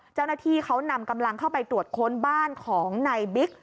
เจ้าหน้าที่เขานำกำลังเข้าไปตรวจค้นบ้านของนายบิ๊ก